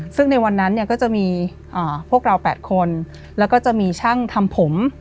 ซึ่งในวันนั้นเนี่ยก็จะมีพวกเรา๘คนแล้วก็จะมีช่างทำผม